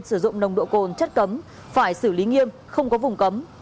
sử dụng nồng độ cồn chất cấm phải xử lý nghiêm không có vùng cấm